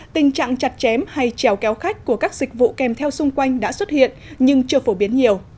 tình trạng chặt chém hay trèo kéo khách của các dịch vụ kèm theo xung quanh đã xuất hiện nhưng chưa phổ biến nhiều